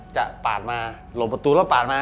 จะปากมาหลบประตูแล้วปากมา